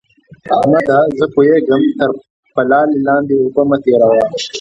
احمده! زه پوهېږم؛ تر پلالې لاندې اوبه مه تېروه.